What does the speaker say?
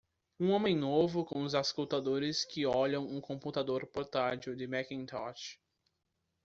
Um homem novo com os auscultadores que olham um computador portátil de Macintosh.